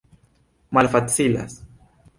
malfacilas